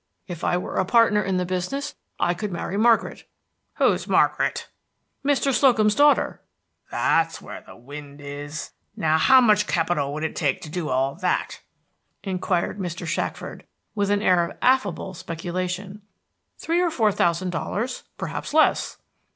"If I were a partner in the business, I could marry Margaret." "Who's Margaret?" "Mr. Slocum's daughter." "That's where the wind is! Now how much capital would it take to do all that?" inquired Mr. Shackford, with an air of affable speculation. "Three or four thousand dollars, perhaps less."